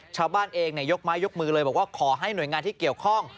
ชาวบ้านเองยกไม้ยกมือเลยบอกว่าขอให้หน่วยงานที่เกี่ยวข้อง